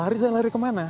lari saya lari kemana